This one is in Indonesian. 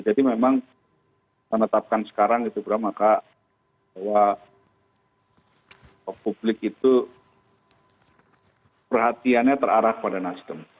jadi memang menetapkan sekarang itu berapa maka bahwa publik itu perhatiannya terarah pada nasdem